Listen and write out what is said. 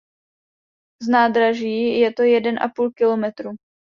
Z nádraží je to jeden a půl kilometru.